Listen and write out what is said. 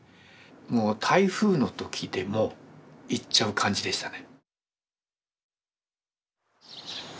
もう台風の時でも行っちゃう感じでしたね。